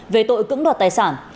về tội cưỡng đoạt tài sản